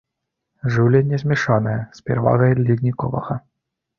Жыўленне змяшанае, з перавагай ледніковага.